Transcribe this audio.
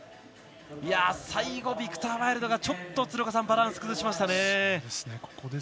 最後、ビクター・ワイルドがちょっとバランス崩しましたね。